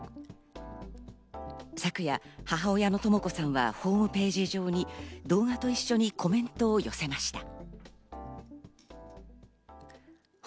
昨夜、母親のとも子さんがホームページ上に動画と一緒にコメントを寄せました。